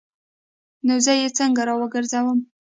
نو زه یې څنګه راوګرځوم؟